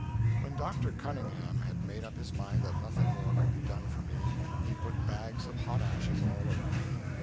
When Dr. Cunningham had made up his mind that nothing more could be done for me he put bags of hot ashes all over me.